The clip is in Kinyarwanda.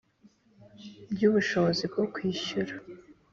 by ubushobozi bwo kwishyura